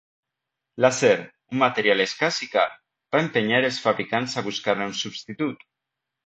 L'acer, un material escàs i car, va empènyer els fabricants a buscar-ne un substitut.